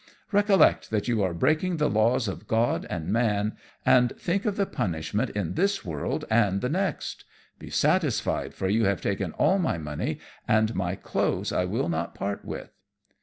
"Recollect that you are breaking the laws of God and man, and think of the punishment in this world and the next. Be satisfied, for you have taken all my money, and my clothes I will not part with."